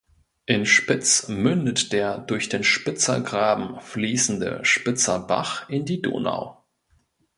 In Spitz mündet der durch den Spitzer Graben fließende Spitzer Bach in die Donau.